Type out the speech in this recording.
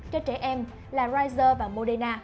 cho trẻ em là pfizer và moderna